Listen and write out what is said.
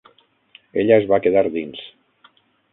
Ella es va quedar dins.